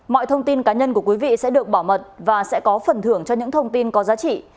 mọi thông tin cá nhân của quý vị sẽ được bảo mật và sẽ có phần thưởng cho những thông tin có giá trị